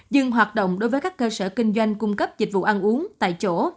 dừng hoạt động đối với các cơ sở kinh doanh cung cấp dịch vụ ăn uống tại chỗ